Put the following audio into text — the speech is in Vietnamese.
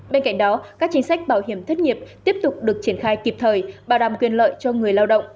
bên cạnh đó các chính sách bảo hiểm thất nghiệp tiếp tục được triển khai kịp thời bảo đảm quyền lợi cho người lao động